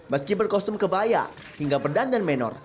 meski berkostum kebaya hingga berdandan menor